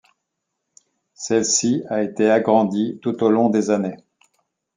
Celle-ci a été agrandie tout au long des années.